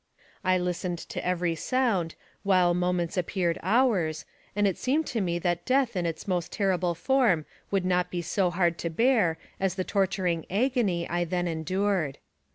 I listened to every sound, while moments appeared hours, and it seemed to me that death in its most ter rible form would not be so hard to bear as the tor turing agony I then endured.